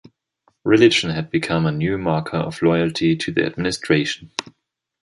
Religion had become a new marker of loyalty to the administration.